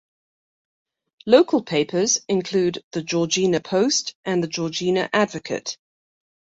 Local papers include the "Georgina Post", and the "Georgina Advocate".